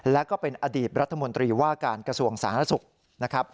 แล้วก็เป็นอดีตรัฐมนตรีว่าการกระทรวงสหรัฐสุข